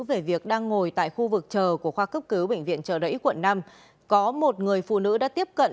về việc đang ngồi tại khu vực chờ của khoa cấp cứu bệnh viện trợ rẫy quận năm có một người phụ nữ đã tiếp cận